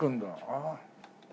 ああ。